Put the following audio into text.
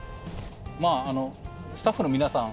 まあスタッフの皆さん